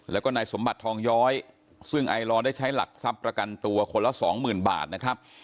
แล้วก็นายสมบัติทองย้อยซึ่งไอลอได้ใช้หลักทรัพย์ประกันตัวคนละสองหมื่นบาทนะครับ